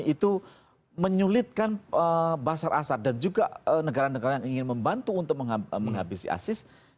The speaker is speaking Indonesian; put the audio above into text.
itu menyulitkan bashar al assad dan juga negara negara yang ingin membantu untuk menghabisi isis